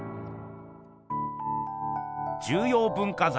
重要文化財を。